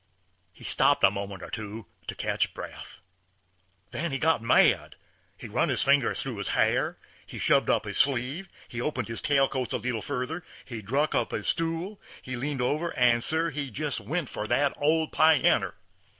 He stopped a moment or two to catch breath. Then he got mad. He run his fingers through his hair, he shoved up his sleeve, he opened his coat tails a leetle further, he drug up his stool, he leaned over, and, sir, he just went for that old pianner.